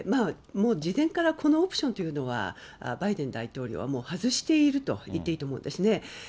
もう事前からこのオプションというのは、バイデン大統領は、もう外していると言っていいと思うんですね。